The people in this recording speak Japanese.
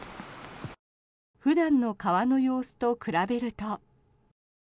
普段の川の様子と比べると。